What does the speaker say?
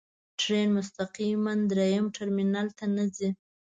ټرین مستقیماً درېیم ټرمینل ته نه ځي.